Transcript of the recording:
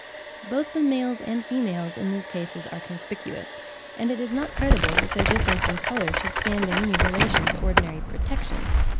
Both the males and females in these cases are conspicuous, and it is not credible that their difference in colour should stand in any relation to ordinary protection.